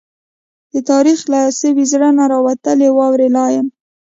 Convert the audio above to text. د تاريخ له سوي زړه نه، راوتلې واوي لا يم